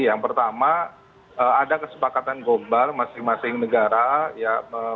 yang pertama ada kesepakatan gombal masing masing negara